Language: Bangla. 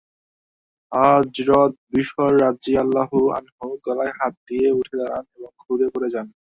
হযরত বিশর রাযিয়াল্লাহু আনহু গলায় হাত দিয়ে উঠে দাঁড়ান এবং ঘুরে পড়ে যান।